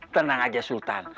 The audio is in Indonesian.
tenang aja sultan